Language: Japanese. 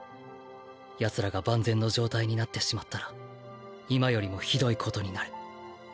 奴らが万全の状態になってしまったら今よりも酷い事になる。